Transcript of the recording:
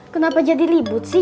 kenapa jadi libut sih